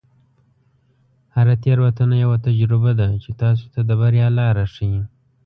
هره تیروتنه یوه تجربه ده چې تاسو ته د بریا لاره ښیي.